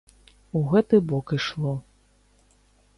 У гэты бок ішло.